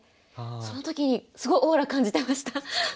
その時にすごいオーラ感じてました。